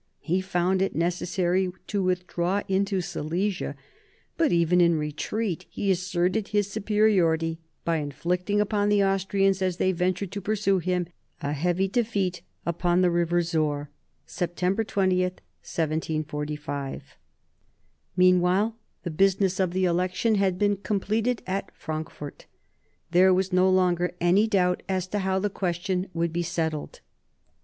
He found it necessary to withdraw into Silesia ; but even in retreat he asserted his superiority by inflicting upon the Austrians, as they ventured to pursue him, a heavy defeat upon the river Sohr (September 20, 1745). Meanwhile the business of the election had been completed at Frankfort. There was no longer any doubt as to how the question would be settled.